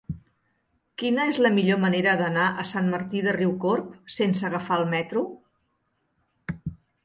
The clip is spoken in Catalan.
Quina és la millor manera d'anar a Sant Martí de Riucorb sense agafar el metro?